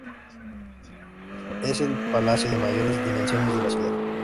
Es el palacio de mayores dimensiones de la ciudad.